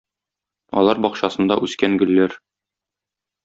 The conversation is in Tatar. Алар бакчасында үскән гөлләр